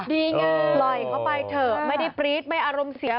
ดีไงปล่อยเข้าไปเถอะไม่ได้ปรี๊ดไม่อารมณ์เสีย